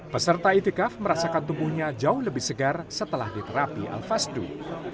peserta itikaf merasakan tubuhnya jauh lebih segar setelah diterapi al fasduh